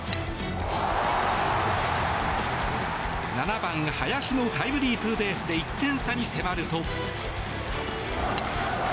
７番、林のタイムリーツーベースで１点差に迫ると。